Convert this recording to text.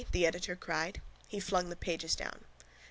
the editor cried. He flung the pages down.